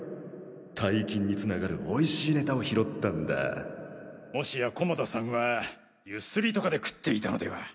大金につながるおいしいネタを拾ったんだもしや菰田さんはゆすりとかで食っていたのでは？